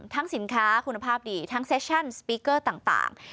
สินค้าคุณภาพดีทั้งเซชั่นสปีกเกอร์ต่าง